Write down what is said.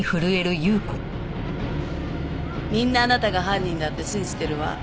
みんなあなたが犯人だって信じてるわ。